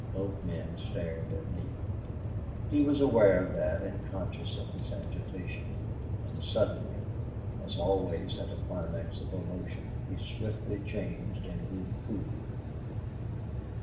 Both men stared at Neale. He was aware of that, and conscious of his agitation. And suddenly, as always at a climax of emotion, he swiftly changed and grew cool.